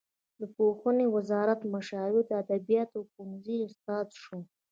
د پوهنې وزارت مشاور او د ادبیاتو پوهنځي استاد شو.